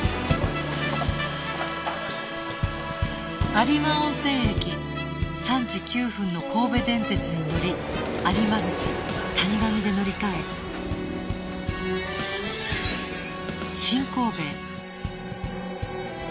有馬温泉駅３時９分の神戸電鉄に乗り有馬口谷上で乗り換え新神戸へ